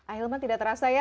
ah hilman tidak terasa ya